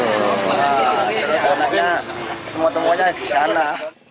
nah tempatnya tempat tempatnya disana